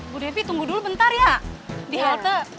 bu devi tunggu dulu bentar ya di halte